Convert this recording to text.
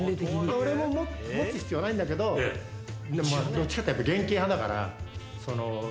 俺も持つ必要はないんだけどどっちかっていったら現金派だから。